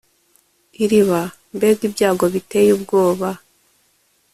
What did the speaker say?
Iriba mbega ibyago biteye ubwoba